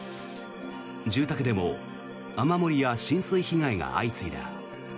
住宅でも雨漏りや浸水被害が相次いだ。